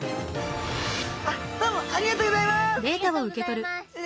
あっどうもありがとうございます。